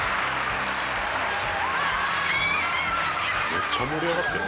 めっちゃ盛り上がってる。